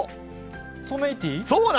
ソメイティ？